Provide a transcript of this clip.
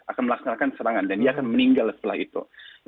akan melaksanakan serangan dan dia akan meninggal setelah itu